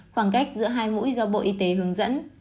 khoảng cách giữa hai mũi do bộ y tế hướng dẫn